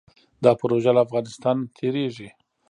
دا پروژه له افغانستان تیریږي